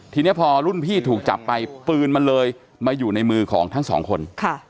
ทีนี้พอรุ่นพี่ถูกจับไปปืนมันเลยมาอยู่ในมือของทั้งสองคน